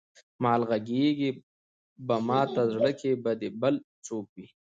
مالې غږېږې به ماته زړه کې به دې بل څوک وي.